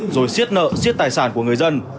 rồi siết nợ siết tài sản của người dân